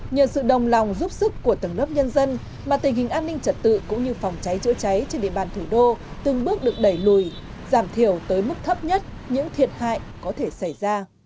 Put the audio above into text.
nhờ sự đồng lòng giúp sức của tầng lớp nhân dân mà tình hình an ninh trật tự cũng như phòng cháy chữa cháy trên địa bàn thủ đô từng bước được đẩy lùi giảm thiểu tới mức thấp nhất những thiệt hại có thể xảy ra